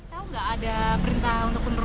tidak ada perintah untuk penurunan